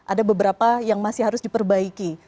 ada beberapa yang masih harus diperbaiki